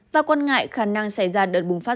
và quan ngại khả năng xảy ra đợt bùng phát